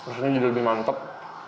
rasanya jadi lebih mantep